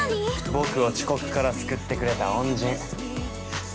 僕を遅刻から救ってくれた恩人。